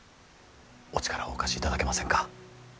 お力をお貸しいただけませんか。